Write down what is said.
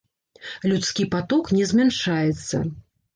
Людскі паток не змяншаецца.